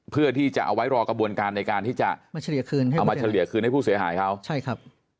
เพื่อที่จะเอาไว้รอกระบวนการในการที่จะเอามาเฉลี่ยคืนให้ผู้เสียหายเขาใช่ครับ